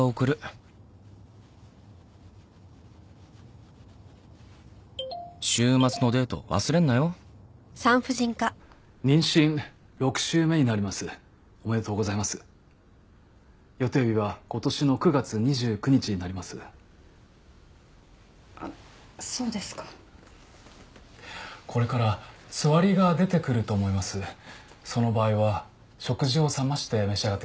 その場合は食事を冷まして召し上がってください。